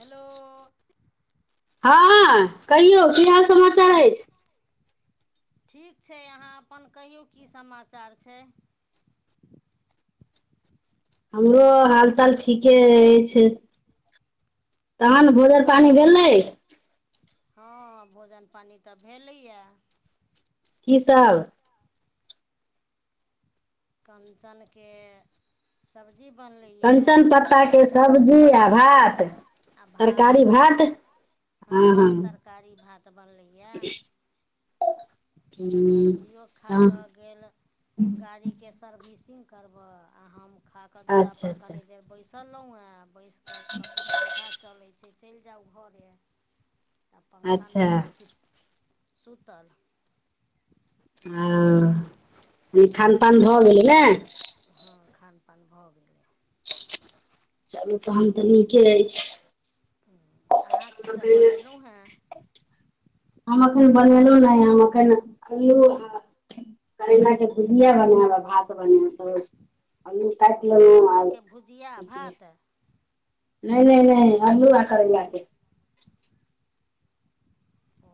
Hello हँ कहियौ की हँ हाल समाचार अछि ठीक छै अहाँ अपन कहियौ की समाचार छै हमरो हाल चाल ठीके अछि तहन भोजन तखन पानि भेलै हँ भोजन पानि तऽ भेलैयए की सब कञ्चनके सब्जी बनलै कञ्चन पत्ताके सब्जी आ भात आ भात हँ तरकारी भात बनलैए तऽ ह भाईजियो खाकऽ त गेल गाड़ीके सर्विसिंग करबै आर हम खाकऽ अच्छा दुअरापर अच्छा कनि देर बैसल रहहुँ हँ बैस कऽ कऽ के पंखा चले छै चलि जाउ घरे आ अच्छा पङखामेअथी सुतल ओ खानपान भऽ गेलै ने हँ खानपान भऽ गेलै चलू तखन तऽ नीके अछि अहाँ कीसभ बनेलहुँ हेँ हम एखन बनेलहुँ नहि हम एखन खलहु करैलाक के भुजिया बनायब आ भात बनायब तऽ अलू काटलहु आर कदीमाके भुजिया हो भात नहि नहि नहि अलू आ करे ला के ओ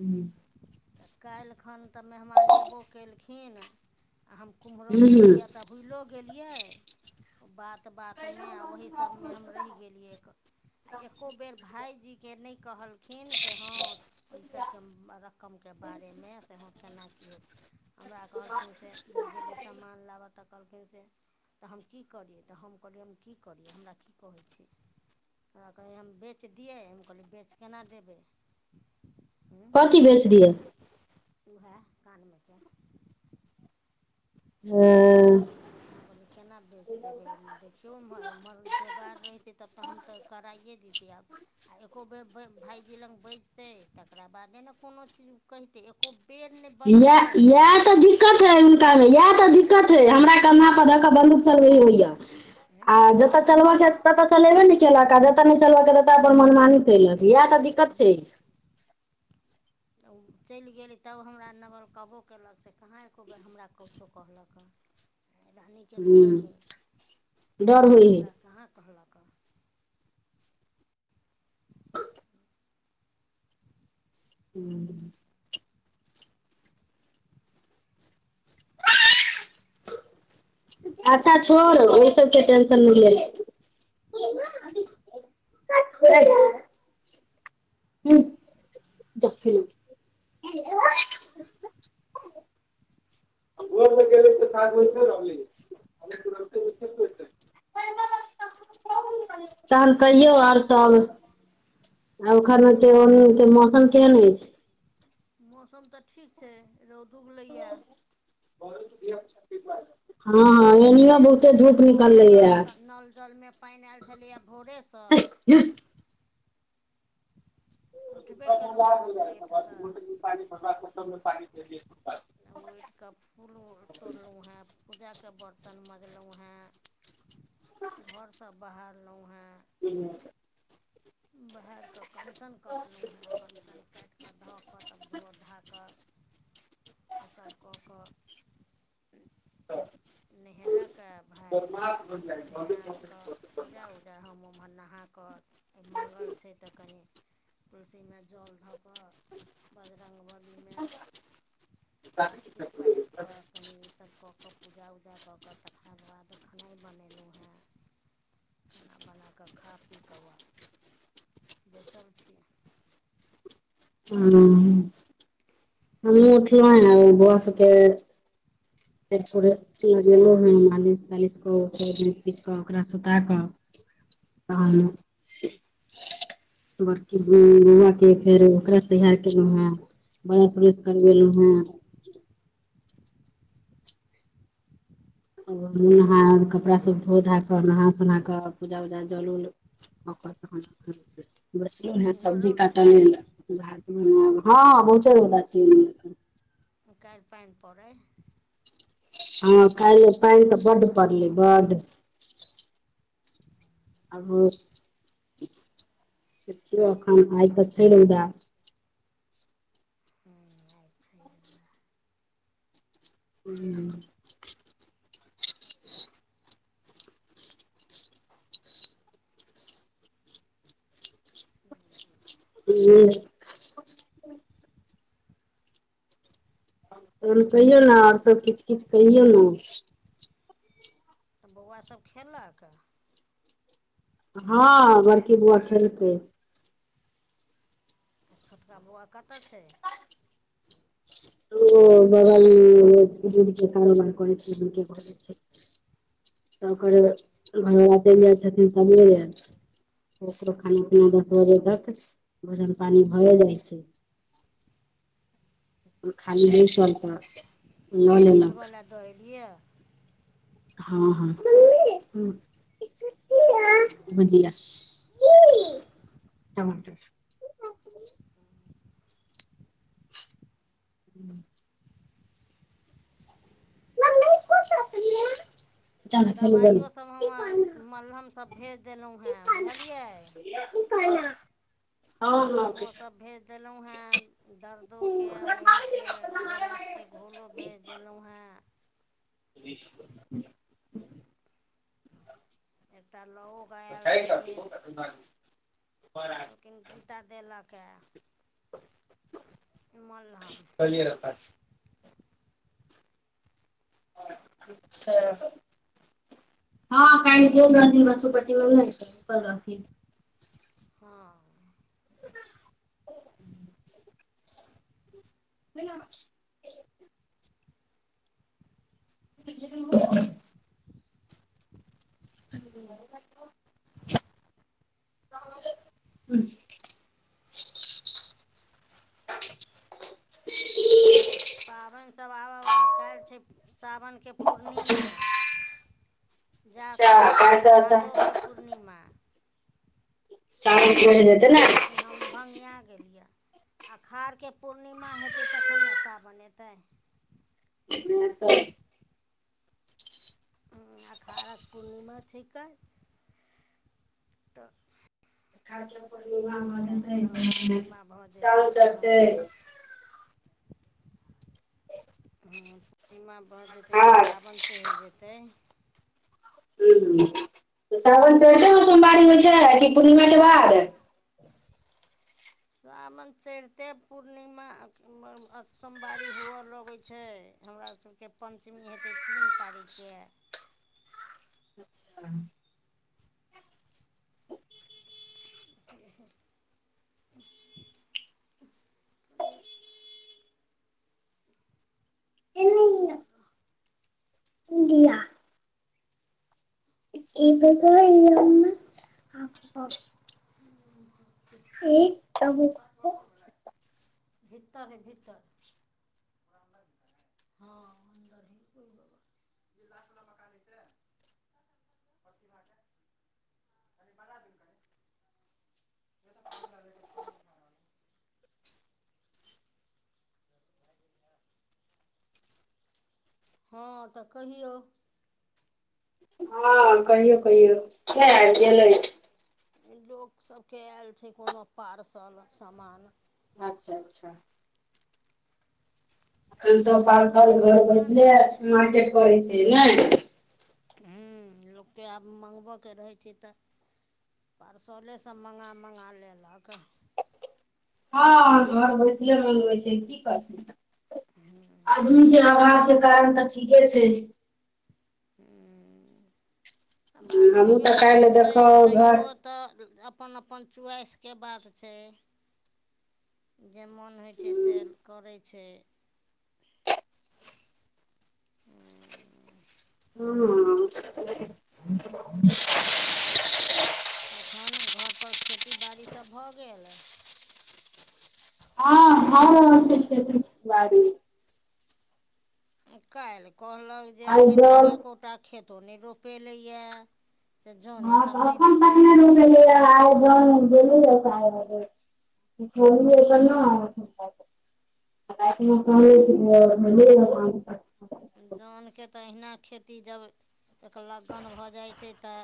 हु तऽ काल्हि खन तऽ मेहमान अयबो केलखिन आ हम कुम्हरौरी हूं दिअ तऽ भुलो गेलियै बात बातमे आ ओही सभमे हम रहि गेलियै एक आ एक्को बेर भायजीके नहि कहलखिन से हँ ओहिसभके रकम बारे मे से केना की होत हमरा कहलखिन से जब गेली सामान लाबऽ तऽ कहलकै से तऽ हम की करियै तऽ हम कहलियै हम की करियै हमरा की कहै छै हमरा कहल हम बेच दिए हम कहलिए बेच केना देबै हँ कथी बेचि दियए उएह कानमेके ह हू हम कहलियै केना बेच देबै देखियौ हम एमहर जोगार रहहितै तब तऽ हम तऽ कराइए दैते आब आर एको बेर भाइजी लग बजतै तकरा बादे ने कोनो चीज कहितै एको बेर नहि इह बजलै इएह तऽ दिक्कत है हुनकामे इएह तऽ दिक्कत रहै हमरा आँय कन्हा पर दऽ के बन्दूक चलबे होइया आँय आ जतऽ चलब ततऽ चलेबे ने केलक आ जतऽ नहि चलबक ततऽ अपन मनमानि कलक इएह तऽ दिक्कत छै ओ चलि गेली तब हमरा नबल कबो कयलक से कहाँ एको बेर हमरा कछो कहलक हन [inaudible] रानीके कहै हूं हइ डर आ होइ है हमरा कहाँ कहल ह [unintelligible] [unintelligible] अच्छा हम छोड़ ओहि सबके टेंशन नहि ले [unintelligible] [unintelligible] घरमे गेलै तऽ साथमे रहलैै [unintelligible] तहन कहियौ आओर सब आ ओखन के के मौसम केहन अछि मौसम तऽ ठीक छै रौद उगलै यै [unintelligible] हँ हँ टोटीमे एनियो पानि आयल बहुते छलैए धूप निकललै भोरेसँ या नल जलमे पाइन आयल छलैए भोरेसँ हँ उठबे केलहुँ हेँ हम लेटसँ [unintelligible] उठि कऽ फूल तोड़लहुँ हेँ पूजाके बरतन मजलहुँ हेँ [unintelligible] घरसँ बाहरलहुँ हेँ [unintelligible] बाहरि कऽ कंचन कटलहुँ हेँ कञ्चन काटि कऽ धऽ कऽ तब धो धा कऽ ओसभ कऽ कऽ नेहेलक है भाय नहा कऽ [unintelligible] पूजा उजा हम ओमहर नहाकऽ आइ मङ्गल छै तऽ कनि तुलसीमे जल धऽ कऽ बजरङ्गबलीमे स्वास्तिक पारि कऽ कनि ईसभ कऽ कऽ पूजा उजा कऽ कऽ तकरा बाद खेनाइ बनेलहुँ हेँ खाना बना कऽ खा पी कऽ आ बैसल छी ह हमहुँ उठलहु ह बौआ सबके फे पू लगेलो हें मालिश तालिश कच खीच कऽ ओकरा सुता कऽ तहन बड़की बौआ के फेर ओकरा सहय केलहु हें ब्रश उरश करबेलहु हे नहा कपड़ा सभ धो धा कऽ नहा सोना कऽ पूजा उजा जल उल बसलौं ओम्हर सब्जी रौद काटल छै लेल भ हँ पहुँचय बला छियै काल्हि पानि पड़ै हइ हँ खाले पानि तऽ बड पड़लै बड [unintelligible] आ देखियौ एखन आइ तऽ छै रौदा हँ आइ छै [unintelligible] [unintelligible] तहन कहियौ ने आओर सब किछु किछु कहियौ ने तऽ बौआ सब खेलक हँ बड़की बौआ खेलकै त छोटका बौआ कतऽ छै ओ बगल दीद के कारोबार कर छै छै त ओकर घरवला चलि जाइ छथिन समे ल ओकरो खाना पीना दस बजे तक भोजन पानी भए जाइ छै बल खाली बैसल तऽ ह लऽ तऽ लेलक खेलबै लए दऽ एलियै हँ हँ ह [unintelligible] हूँ [unintelligible] तऽ ने खेलू बनू दबाइयोसभ हम मल्हम सब भेज देलहुॅँ हेँ बुझलियै हँ हँ मलहमोसभ भेज देलहुँ हेँ दर्दोके ओहूके ओ रासि के घोलो भेज देलहुँ हँ ज [unintelligible] एकटा लो [unintelligible] कहलखिन गीता देलक ह मलहम बलिय पास छ [unintelligible] हँ क दौन रह बसोपट्टी व रथि हँ सु [unintelligible] [unintelligible] ह पाबनिसभ आबयवला काल्हि छै सावनके पूर्णिमा जा साबन कहै छै भादो के पूर्णिमा सा देखि हम भँगिया गेल यऽ आषाढ़के पूर्णिमा हेतै तखन ने साबन एतै ह तऽ अखाड़क पूर्णिमा छिकै तऽ खाटल काल्हि पल खन ग पूर्णिमा भऽ जेतै चउल तखन चढ़तै हँ पूर्णिमा भऽ जेतै तऽ खाट सावन चढ़ि जेतै ह सावन चढिते सोमवारी होइ छै कि पूर्णिमाक के बाद सावन चढिते पूर्णिमा सोमवारी हुअ लगैत छै हमरा सबके पञ्चमी हेतै तीन तारीखके अच्छा कि ई [unintelligible] [unintelligible] इणडिया [unintelligible] [unintelligible] एकदम भितर है भितर [unintelligible] आओर की [unintelligible] हँ तऽ कहियौ हँ कहियो कहियो के आबि गेलै लोकसभ के आयल छै कोनो पार्सल समान अच्छा अच्छा अखन सभ पार्सल घर सामान बैसले आयल छै मार्केट करै छै ने हूं लोक के आब मंगबैके रहै छै तऽ पार्सले सब मँगा मंगा लेलक हँ घर भैसले मगबै छै की करतै हु आजन के आवासके कारण तऽ ठीके छै ह आब हमहूँ आदमियो तऽ के काल्हि छै देखब घर छैहो तऽ अपन अपन चोइस के बात छै जे मोन होइ छै से करै छै [unintelligible] ह [unintelligible] [unintelligible] तखन घर पर खेती बाड़ी सब भऽ गेल हँ भऽ रहल [unintelligible] बारी काल्हि कहलक जे आइ एखन तक जल एकोटा खेतो नहि रोपेलैयै से जोने हँ सभ तऽ नहि एखन होइत छै [unintelligible] घ लर न आ [unintelligible] जौन के तऽ अहिना खेती जब एक लगन भऽ जाइ छै तऽ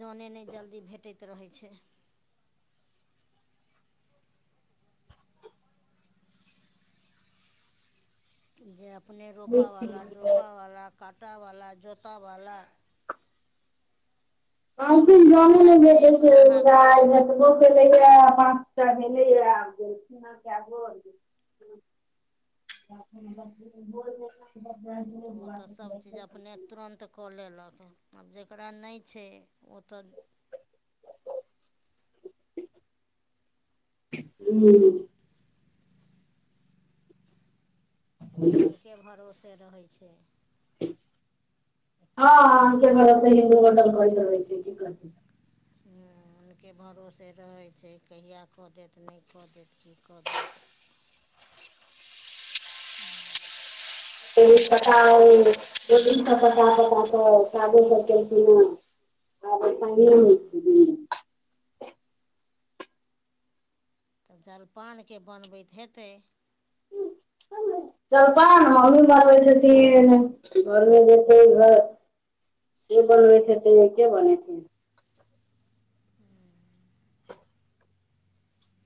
जोने नहि जल्दी भेटैत रहै छै जे अपने रोपयवला दोपयवला काँटवला जोतयवला सब कहलखिन चीज जोने जेकरा नहि छै अपना भेटैत [unintelligible] हाथमे पाँच टा भेलया आ गेल आ [unintelligible] [unintelligible] तऽ ओतऽ सभचीज अपने तुरन्त कऽ लेलक आब जकरा नहि छै ओ तऽ हू उ अनके भरोसे रहै छै हँ [unintelligible] ह हुनके भरोसे रहै छै कहिया कऽ देत नहि कऽ देत की कऽ देत [unintelligible] पता पता पता कऽ कादो सब केलखिन हन हँ [unintelligible] तऽ जलपानके बनबैत हेतै जल पान ने मम्मी बानबै छथिन घरमे जे छै घर से बनबैत के बनै हँ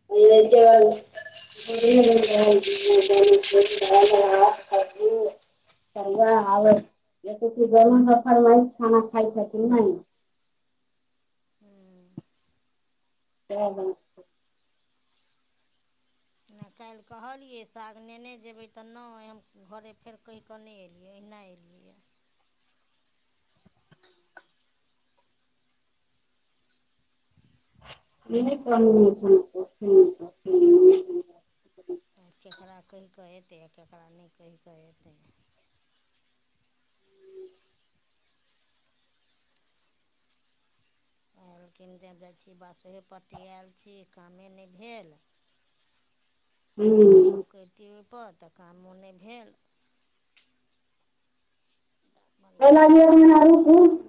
[unintelligible] [unintelligible] सग आबै ली दरन दफान महित खाना खाय छै कि नहि हँ ओ ह [inaudible] ना, काल्हि कहलियै साग लेने जेबै तऽ नहि, हम घरे फेर कहि। कने एलियै, अइना एलियै यऽ। ई क [inaudible] आब केकरा कहि कऽ अयतै आ ककरा नहि कहि कऽ अयतै? आयल कनि तऽ जाइ छी, बसहे पट्टी आयल छी, काजे नहि भेल। हुँ देबो करतिये, ओहि पर तऽ काजो नहि भेल। अपन [unintelligible]